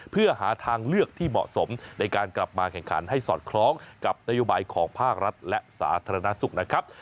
เพื่อหาทางเลือกที่เหมาะสมในการกลับมาแข่งขันให้สอดคล้องกับนโยบายของภาครัฐและสาธารณสุขนะครับ